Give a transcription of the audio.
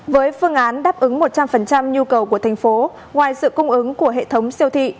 với phương án đáp ứng một trăm linh nhu cầu của thành phố ngoài sự cung ứng của hệ thống siêu thị